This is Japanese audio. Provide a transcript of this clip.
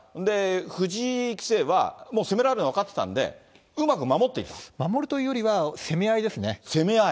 藤井棋聖は、もう攻められるのは分かってたんで、守るというよりは、攻め合い攻め合い？